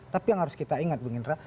tapi yang harus kita ingat bung indra